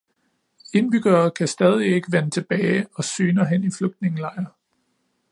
Indbyggere kan stadig ikke vende tilbage og sygner hen i flygtningelejre.